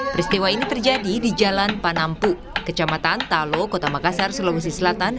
peristiwa ini terjadi di jalan panampu kecamatan talo kota makassar sulawesi selatan